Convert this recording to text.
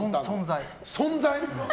存在。